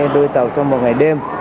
hai mươi hai đôi tàu trong một ngày đêm